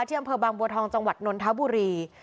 อำเภอบางบัวทองจังหวัดนนทบุรี